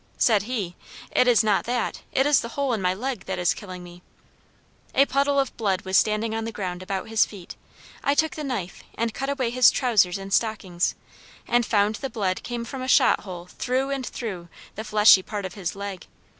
Said he, 'It is not that; it is the hole in my leg that is killing me.' A puddle of blood was standing on the ground about his feet I took the knife, and cut away his trousers and stockings, and found the blood came from a shot hole through and through the fleshy part of his leg.